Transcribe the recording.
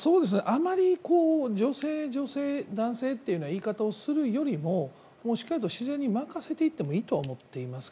あまり女性、女性男性、男性という言い方をするよりもしっかりと自然に任せていってもいいと思っています。